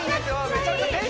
めちゃくちゃいい！